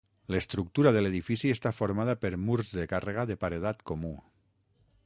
L'estructura de l'edifici està formada per murs de càrrega de paredat comú.